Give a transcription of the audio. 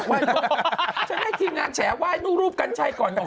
ฉันให้ทีมงานแฉไหว้นู่นรูปกัญชัยก่อนออก